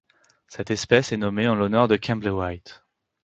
Cette espèce est nommée en l'honneur de Kemble White.